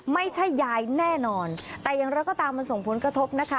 ไม่ใช่ยายแน่นอนแต่อย่างไรก็ตามมันส่งผลกระทบนะคะ